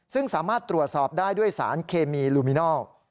ซึ่งสามารถตรวจสอบได้ด้วยสารเคมีลูมินอล